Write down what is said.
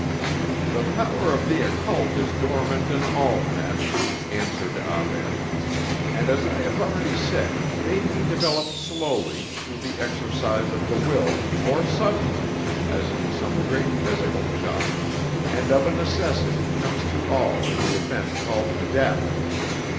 "The power of the occult is dormant in all men," answered Ah Ben; "and as I have already said, may be developed slowly, through the exercise of the will, or suddenly, as in some great physical shock, and of a necessity comes to all in the event called death.